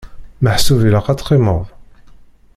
Meḥsub ilaq ad teqqimeḍ?